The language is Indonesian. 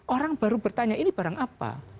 orang baru bertanya ini barang apa